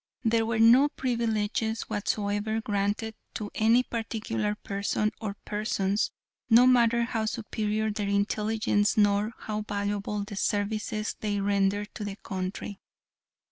There were no privileges whatsoever granted to any particular person or persons, no matter how superior their intelligence nor how valuable the services they rendered to the country.